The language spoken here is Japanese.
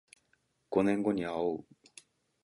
五年後にあおう